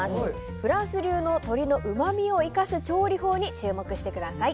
フランス流の鶏のうまみを生かす調理法に注目してください。